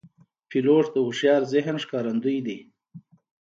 پیلوټ د هوښیار ذهن ښکارندوی دی.